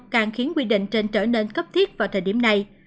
càng khiến quy định trên trở nên cấp thiết vào thời điểm này